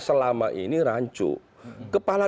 selama ini rancu kepala